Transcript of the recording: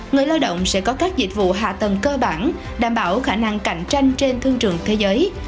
người lao động sẽ có các dịch vụ hạ tầng cơ bản đảm bảo khả năng cạnh tranh trên thương trường thế giới